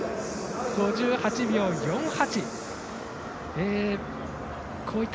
５８秒４８。